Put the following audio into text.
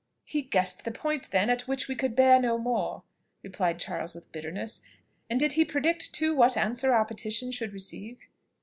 "He guessed the point, then, at which we could bear no more," replied Charles with bitterness: "and did he predict too what answer our petition should receive?"